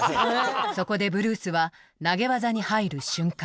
そこでブルースは投げ技に入る瞬間